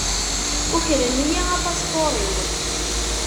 Ukren-iyi apaspuṛ-iw.